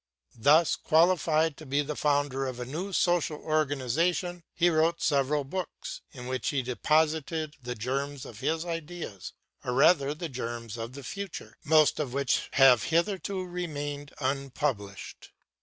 Thus qualified to be the founder of a new social organization, he wrote several books, in which he deposited the germs of his ideas, or rather the germs of the future; most of which have hitherto remained unpublished.